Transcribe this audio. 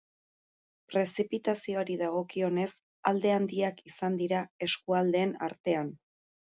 Prezipitazioari dagokionez, alde handiak izan dira eskualdeen artean.